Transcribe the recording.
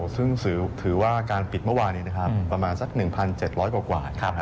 ซึ่งถือว่าการปิดเมื่อวานนี้ประมาณสัก๑๗๐๐กว่า